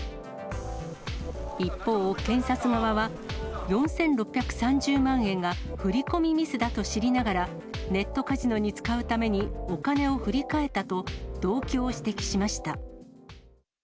一方、検察側は４６３０万円が振り込みミスだと知りながら、ネットカジノに使うためにお金を振り替えたと、動機を指摘しました。